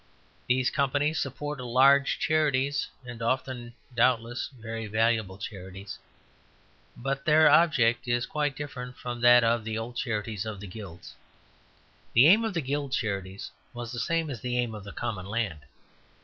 These Companies support large charities and often doubtless very valuable charities; but their object is quite different from that of the old charities of the Guilds. The aim of the Guild charities was the same as the aim of the Common Land.